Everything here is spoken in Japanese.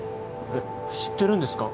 えっ知ってるんですか